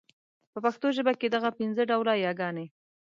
په پښتو ژبه کي دغه پنځه ډوله يې ګاني